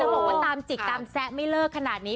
บอกว่าตามจิกตามแซะไม่เลิกขนาดนี้